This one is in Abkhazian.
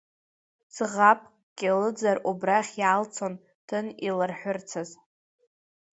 Ӡӷабкгьы лыӡар убрахь иаалцалон, ҭын илырҳәырцаз…